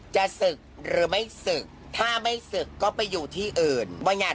จะศึกหรือไม่ศึกถ้าไม่ศึกก็ไปอยู่ที่อื่นว่าไง